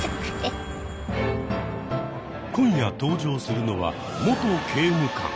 今夜登場するのは「元刑務官」。